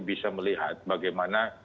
bisa melihat bagaimana